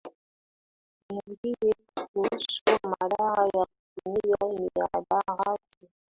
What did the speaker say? Niambie kuhusu madhara ya kutumia mihadarati